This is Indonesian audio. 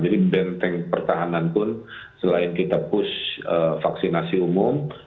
jadi benteng pertahanan pun selain kita push vaksinasi umum